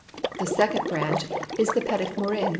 The second branch is the Petit Morin.